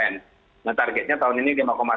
nah targetnya tahun ini lima tujuh